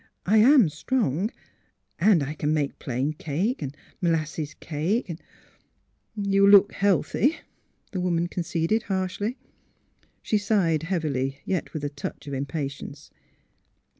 I — I am strong, and — I can make plain cake, molasses cake and "*' You look healthy," the woman conceded, harshly. She sighed heavily, yet with a touch of impa tience.